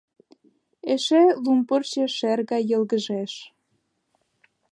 Эше лум пырче шер гай йылгыжеш.